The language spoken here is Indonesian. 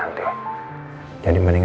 siti pandiin ya ga